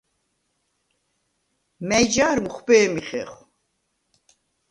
მა̈ჲ ჯა̄რ მუხვბე̄მი ხეხვ?